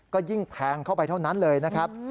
ก็ยิ่งแพงเข้าไปเท่านั้นเลยนะครับ